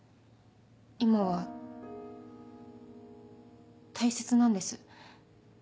今は大切なんです。